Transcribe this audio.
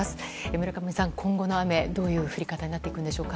村上さん、今後の雨どういう降り方になってくるんでしょうか。